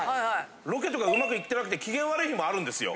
ロケとかうまくいってなくて機嫌悪い日もあるんですよ。